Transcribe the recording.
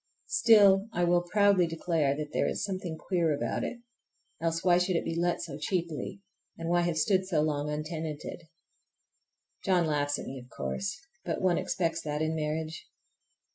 Still I will proudly declare that there is something queer about it. Else, why should it be let so cheaply? And why have stood so long untenanted? John laughs at me, of course, but one expects that in marriage.